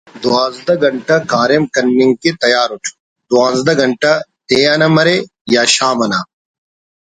دوانزدہ گھنٹہ کاریم کننگ کن تیار اُٹ دوانزدہ گھنٹہ دے انا مرے یا شام انا